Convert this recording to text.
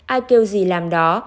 ai kêu gì làm đó